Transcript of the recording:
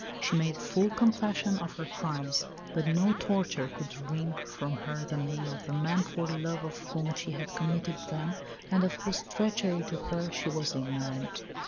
She made full confession of her crimes; but no torture could wring from her the name of the man for love of whom she had committed them, and of whose treachery to her she was ignorant.